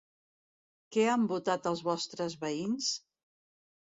Què han votat els vostres veïns?